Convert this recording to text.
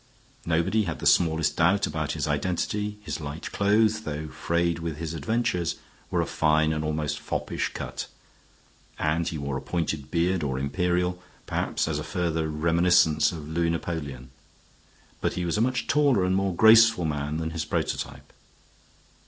Nobody had the smallest doubt about his identity. His light clothes, though frayed with his adventures, were of fine and almost foppish cut, and he wore a pointed beard, or imperial, perhaps as a further reminiscence of Louis Napoleon; but he was a much taller and more graceful man that his prototype.